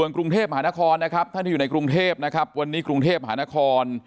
กรุงเทพฯหานครท่านที่อยู่ในกรุงเทพฯวันนี้กรุงเทพฯหานคร